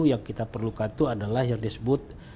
yang kita perlukan itu adalah yang disebut